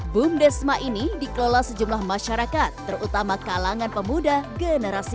bum desma ini dikelola sejumlah masyarakat terutama kalangan pemuda generasi z